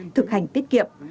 thực hành tiết kiệm